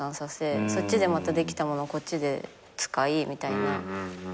そっちでまたできたものをこっちで使いみたいな影響し合ってる。